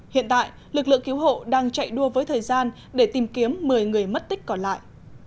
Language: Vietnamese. hiện tại lực lượng cứu hộ đang chạy đua với thời gian để tìm kiếm một mươi người mất tích còn lại